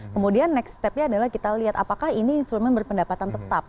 kemudian next stepnya adalah kita lihat apakah ini instrumen berpendapatan tetap